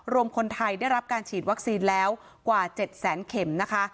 รวมคนไทยได้รับการฉีดวัคซีนแล้วกว่า๗แสนเข็มนะคะ